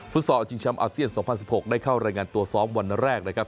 ซอลชิงแชมป์อาเซียน๒๐๑๖ได้เข้ารายงานตัวซ้อมวันแรกนะครับ